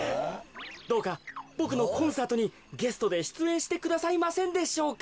どうかボクのコンサートにゲストでしゅつえんしてくださいませんでしょうか。